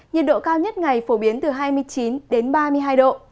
nhiệt độ cao nhất ngày phổ biến từ hai mươi chín đến ba mươi hai độ